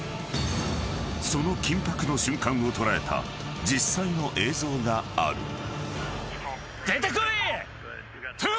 ［その緊迫の瞬間を捉えた実際の映像がある］